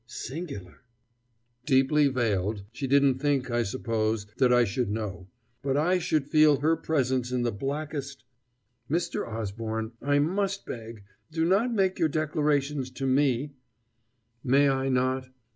Singular." "Deeply veiled. She didn't think, I suppose, that I should know. But I should feel her presence in the blackest " "Mr. Osborne I must beg do not make your declarations to me " "May I not?